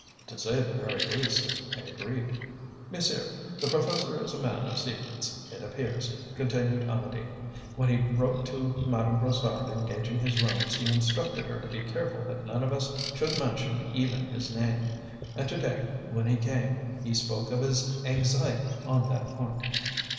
"To say the very least," I agreed. "Monsieur the professor is a man of secrets, it appears," continued Amedee. "When he wrote to Madame Brossard engaging his rooms, he instructed her to be careful that none of us should mention even his name; and to day when he came, he spoke of his anxiety on that point."